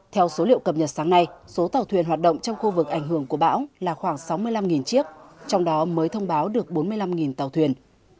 theo số liệu cập nhật sáng nay số tàu thuyền hoạt động trong khu vực ảnh hưởng của bão là khoảng sáu mươi năm chiếc trong đó mới thông báo được bốn mươi năm tàu thuyền